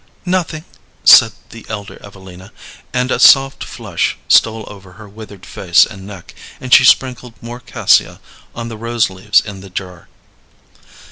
"Nothing," said the elder Evelina, and a soft flush stole over her withered face and neck, and she sprinkled more cassia on the rose leaves in the jar.